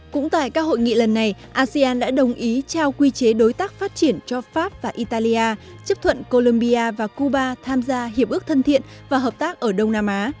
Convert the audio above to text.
cũng tại các hội nghị lần này asean đã đồng ý trao quy chế đối tác phát triển cho pháp và italia chấp thuận colombia và cuba tham gia hiệp ước thân thiện và hợp tác ở đông nam á